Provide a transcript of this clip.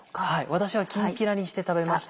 私はきんぴらにして食べました。